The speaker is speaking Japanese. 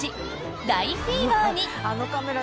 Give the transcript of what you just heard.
大フィーバーに。